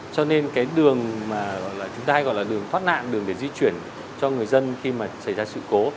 cho nên cái đường mà chúng ta hay gọi là đường thoát nạn đường để di chuyển cho người dân khi mà xảy ra sự cố